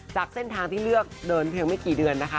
จากเส้นทางที่เลือกเดินเพียงไม่กี่เดือนนะคะ